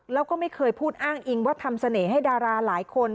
แล้วก็ไม่เคยพูดอ้างอิงว่าทำเสน่ห์ให้ดาราหลายคน